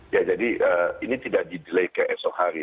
ya jadi ini tidak di delay ke esok hari